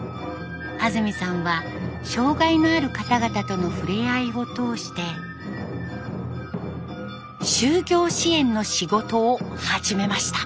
安住さんは障害のある方々とのふれあいを通して就業支援の仕事を始めました。